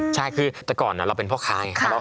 ใช่คือแต่ก่อนเราเป็นพ่อค้าไงครับ